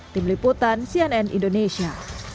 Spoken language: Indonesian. tim liputan cnn indonesia